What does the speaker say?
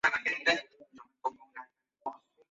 Había creencias en sus virtudes curativas.